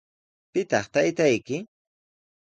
¿Pitaq taytayki?